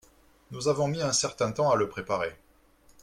Nous avons mis un certain temps à le préparer.